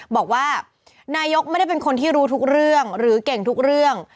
บอกว่านายกไม่ได้เป็นคนที่รู้ทุกเรื่องหรือเก่งทุกเรื่อง